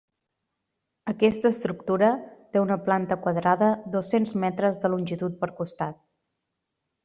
Aquesta estructura té una planta quadrada dos-cents metres de longitud per costat.